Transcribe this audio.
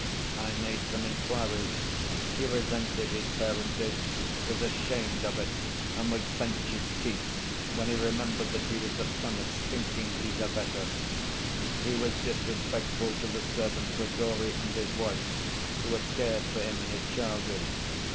I made some inquiries: he resented his parentage, was ashamed of it, and would clench his teeth when he remembered that he was the son of 'stinking Lizaveta.' He was disrespectful to the servant Grigory and his wife, who had cared for him in his childhood.